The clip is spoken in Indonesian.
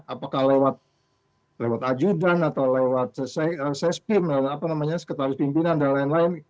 apakah lewat ajutan atau lewat ses pimp apa namanya sekretaris pimpinan dan lain lain